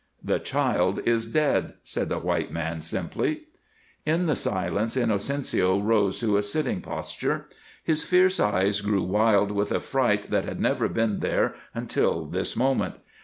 "The child is dead," said the white man, simply. In the silence Inocencio rose to a sitting posture. His fierce eyes grew wild with a fright that had never been there until this moment.